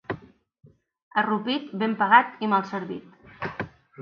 A Rupit, ben pagat i mal servit.